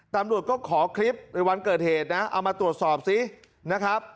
ตำรวจก็ขอคลิปในวันเกิดเหตุนะเอามาตรวจสอบซินะครับ